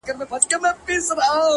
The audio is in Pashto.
روح مي نو څه وخت مهربانه په کرم نیسې؛